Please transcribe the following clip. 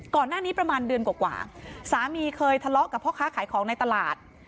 ก่อนหน้านี้ประมาณเดือนกว่าสามีเคยทะเลาะกับพ่อค้าขายของในตลาด